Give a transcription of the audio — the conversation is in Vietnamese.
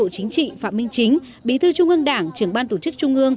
xin chào các bạn